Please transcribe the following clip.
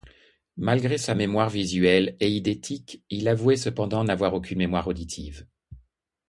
Malgré sa mémoire visuelle éidétique, il avouait cependant n'avoir aucune mémoire auditive.